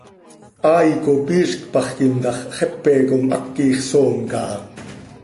Hai cop iizc paxquim ta x, xepe com haquix soom caha.